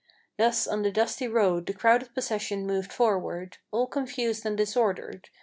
Thus on the dusty road the crowded procession moved forward, All confused and disordered.